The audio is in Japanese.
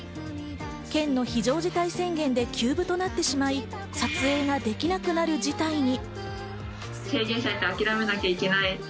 県の非常事態宣言で休部となってしまい、撮影ができなくなる事態に。